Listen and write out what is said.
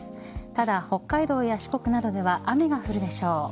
ただ北海道や四国などでは雨が降るでしょう。